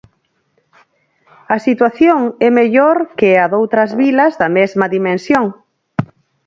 A situación é mellor que a doutras vilas da mesma dimensión.